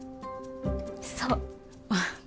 そう。